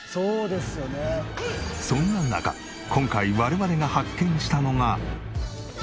そんな中今回我々が発見したのが。